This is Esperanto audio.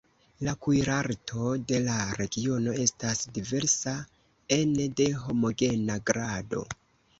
La kuirarto de la regiono estas diversa ene de homogena grado.